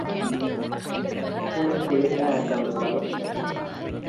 ފުޅިފުޅިއައި ދަޅުދަޅު